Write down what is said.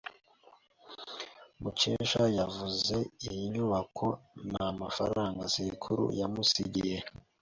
Mukesha yaguze iyi nyubako namafaranga sekuru yamusigiye.